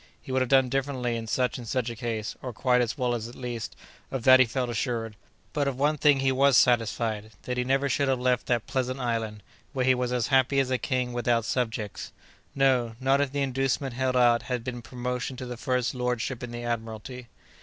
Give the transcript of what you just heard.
He would have done differently, in such and such a case, or quite as well at least—of that he felt assured. But of one thing he was satisfied, that he never should have left that pleasant island, where he was as happy as a king without subjects—no, not if the inducement held out had been promotion to the first lordship in the admiralty!